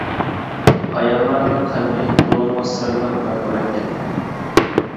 ئاياللارنىڭ قەلبى تولىمۇ سىرلىق ۋە مۇرەككەپ.